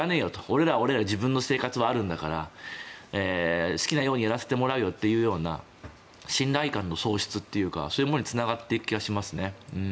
俺らは俺らの自分の生活があるんだから好きなようにやらせてもらうよというような信頼感の喪失というかそういうものにつながっていく気がしますね。